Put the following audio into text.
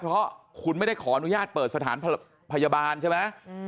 เพราะคุณไม่ได้ขออนุญาตเปิดสถานพยาบาลใช่ไหม